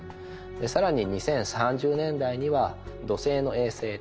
更に２０３０年代には土星の衛星タイタン。